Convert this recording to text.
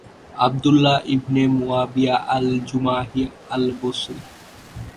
Abdullah ibn Muawiya al-Jumahi al-Basri